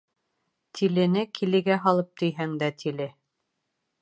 Тилене килегә һалып төйһәң дә тиле.